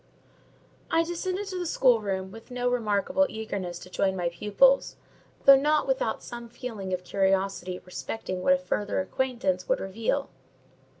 I descended to the schoolroom with no remarkable eagerness to join my pupils, though not without some feeling of curiosity respecting what a further acquaintance would reveal.